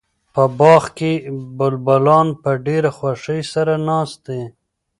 په باغ کې بلبلان په ډېره خوښۍ سره ناست دي.